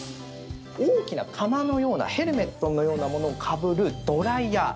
大きな釜のようなヘルメットのようなものをかぶるドライヤー。